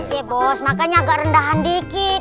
iya bos makanya agak rendahan dikit